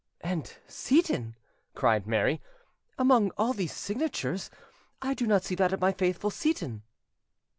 "And Seyton!" cried Mary, "among all these signatures, I do not see that of my faithful Seyton."